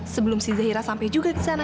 sebelum si zahira sampai juga kesana